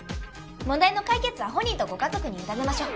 問題の解決は本人とご家族に委ねましょう。